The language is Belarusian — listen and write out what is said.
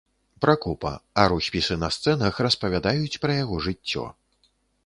Пракопа, а роспісы на сцэнах распавядаюць пра яго жыццё.